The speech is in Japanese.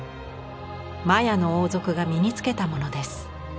マヤの王族が身につけたものです。